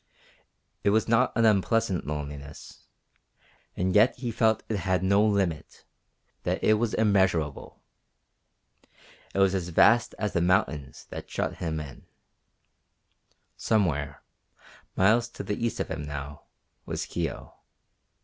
It was not an unpleasant loneliness, and yet he felt that it had no limit, that it was immeasurable. It was as vast as the mountains that shut him in. Somewhere, miles to the east of him now, was Kio.